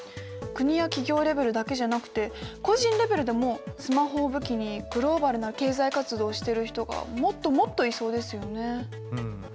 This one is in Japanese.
国や企業レベルだけじゃなくて個人レベルでもスマホを武器にグローバルな経済活動をしてる人がもっともっといそうですよね。